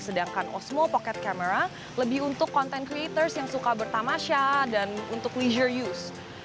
sedangkan osmo pocket camera lebih untuk content creators yang suka bertamasha dan untuk leisure use